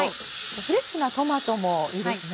フレッシュなトマトもいいですね。